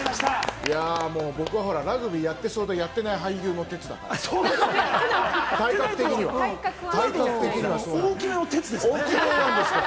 僕は、ラグビーやってそうでやってない俳優の哲だから、体格的にはそうなんですけど。